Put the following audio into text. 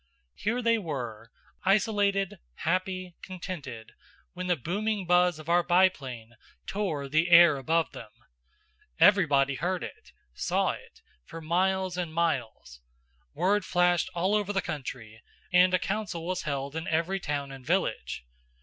Here they were, isolated, happy, contented, when the booming buzz of our biplane tore the air above them. Everybody heard it saw it for miles and miles, word flashed all over the country, and a council was held in every town and village.